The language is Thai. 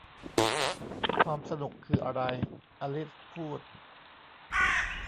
'ความสนุกคืออะไร ? ' อลิซพูด